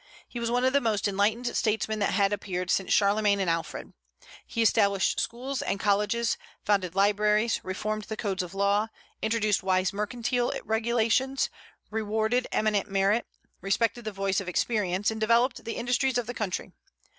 He was one of the most enlightened statesmen that had appeared since Charlemagne and Alfred. He established schools and colleges, founded libraries, reformed the codes of law, introduced wise mercantile regulations, rewarded eminent merit, respected the voice of experience, and developed the industries of the country.